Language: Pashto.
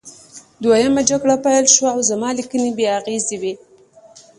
دویمه جګړه پیل شوه او زموږ لیکنې بې اغیزې وې